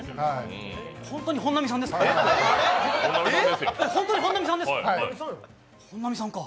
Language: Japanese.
本当に本並さんですか？